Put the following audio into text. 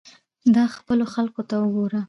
دا خپلو خلقو ته وګوره.